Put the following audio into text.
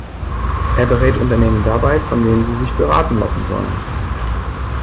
Er berät Unternehmen dabei, von wem sie sich beraten lassen sollen.